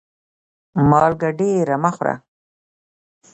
مالګه ډيره مه خوره